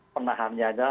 penahannya hanya berbeda